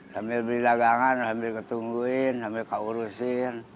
sambil beli lagangan sambil ketungguin sambil keurusin